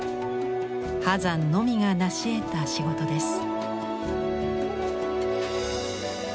波山のみが成し得た仕事です。